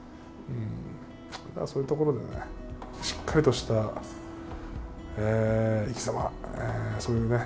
そういうところでねしっかりとした生きざまそういうね